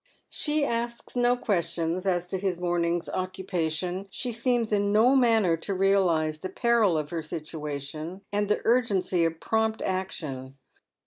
She asks no questions as to his morning's occupation. She seems in no manner to realize the peril of her situaition, and the urgency of prompt action.